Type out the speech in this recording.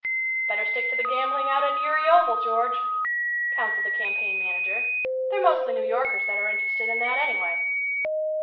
"Better stick to the gambling out at Erie Oval, George," counseled the campaign manager. "They're mostly New Yorkers that are interested in that, anyway."